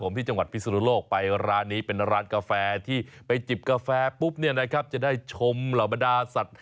มาอีกแล้ว